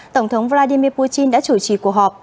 tổng thống vladimir putin đã chủ trì cuộc họp